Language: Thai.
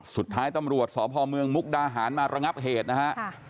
สุดท้ายตำรวจสพเมืองมุกดาหารมาระงับเหตุนะฮะ